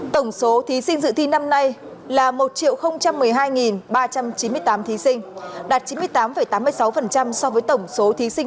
tổng số thí sinh dự thi năm nay là một một mươi hai ba trăm chín mươi tám thí sinh đạt chín mươi tám tám mươi sáu so với tổng số thí sinh